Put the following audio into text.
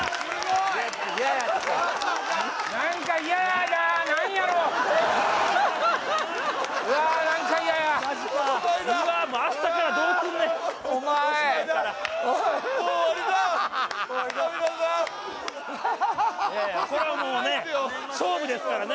いやいやこれはもうね勝負ですからね